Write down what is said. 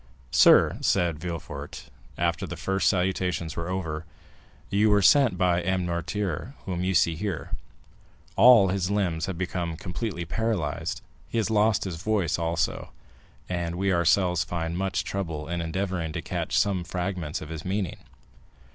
"Sir," said Villefort, after the first salutations were over, "you were sent for by M. Noirtier, whom you see here. All his limbs have become completely paralysed, he has lost his voice also, and we ourselves find much trouble in endeavoring to catch some fragments of his meaning."